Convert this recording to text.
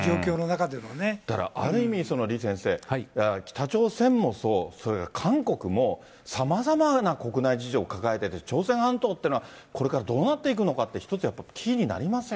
だからある意味、李先生、北朝鮮もそう、それから韓国も、さまざまな国内事情を抱えている、朝鮮半島っていうのは、これからどうなっていくのかって、一つやっぱりキーになりません？